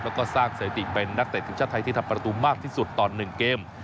แล้วก็สร้างสถิติเป็นนักเตะทีมชาติไทยที่ทำประตูมากที่สุดต่อ๑เกม